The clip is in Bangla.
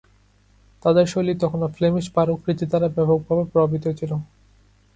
তাদের শৈলী তখনও ফ্লেমিশ বারোক রীতি দ্বারা ব্যাপকভাবে প্রভাবিত ছিল।